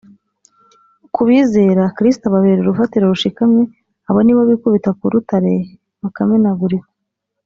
ku bizera, kristo ababera urufatiro rushikamye abo ni bo bikubita ku rutare bakamenagurika